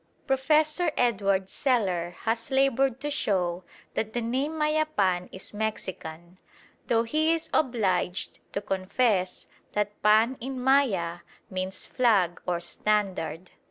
Professor Eduard Seler has laboured to show that the name "Mayapan" is Mexican, though he is obliged to confess that "pan" in Maya means flag or standard.